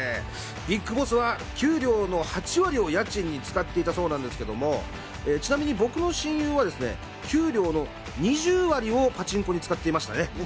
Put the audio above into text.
ＢＩＧＢＯＳＳは給料の８割を家賃に使っていたそうなんですけれども、ちなみに僕の親友は給料の２０割をパチンコに使っていましたね。